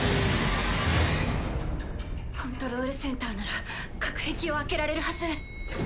コントロールセンターなら隔壁を開けられるはず。